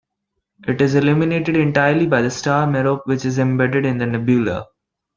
It is illuminated entirely by the star Merope, which is embedded in the nebula.